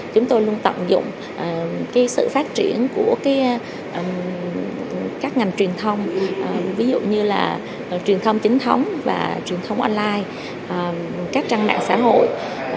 chúng tôi luôn tận dụng sự phát triển của các ngành truyền thông ví dụ như là truyền thông chính thống và truyền thông online các trang mạng xã hội